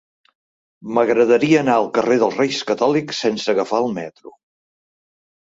M'agradaria anar al carrer dels Reis Catòlics sense agafar el metro.